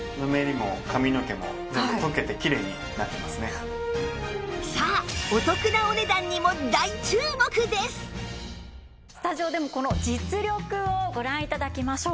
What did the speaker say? そこでさあスタジオでもこの実力をご覧頂きましょう。